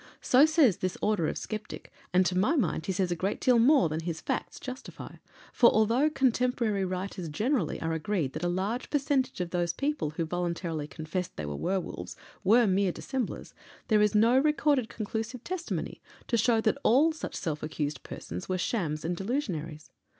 So says this order of sceptic, and, to my mind, he says a great deal more than his facts justify; for although contemporary writers generally are agreed that a large percentage of those people who voluntarily confessed they were werwolves were mere dissemblers, there is no recorded conclusive testimony to show that all such self accused persons were shams and delusionaries.